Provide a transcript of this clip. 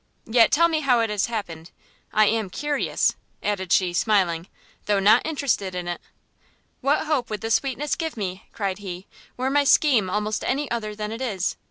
Yet tell me how it has happened, I am curious," added she, smiling, "though not interested in it." "What hope would this sweetness give me," cried he, "were my scheme almost any other than it is!